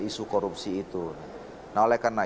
isu korupsi itu nah oleh karena